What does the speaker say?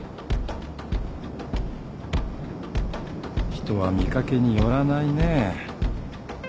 人は見掛けによらないね。